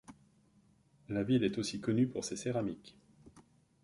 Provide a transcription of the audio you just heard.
La ville est aussi connue pour ses céramiques.